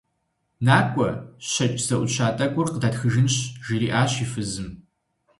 НакӀуэ, щэкӀ зэӀутща тӀэкӀур къыдэтхыжынщ, - жриӏащ и фызым.